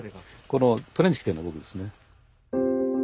このトレンチ着てるの僕ですね。